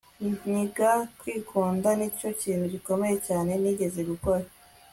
niga kwikunda. nicyo kintu gikomeye cyane nigeze gukora